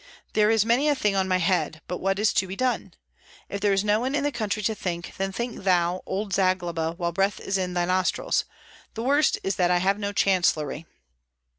There is many a thing on my head; but what is to be done? If there is no one in the country to think, then think thou, old Zagloba, while breath is in thy nostrils. The worst is that I have no chancellery."